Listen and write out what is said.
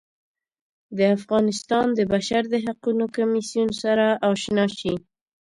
د افغانستان د بشر د حقونو کمیسیون سره اشنا شي.